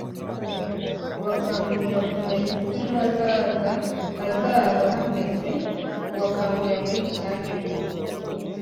kubakangurira kumenya uko ejo hazaza hazaba hameze, kubakangurira muri rusange ku